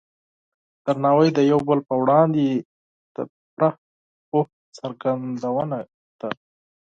درناوی د یو بل په وړاندې د پوره پوهې څرګندونه ده.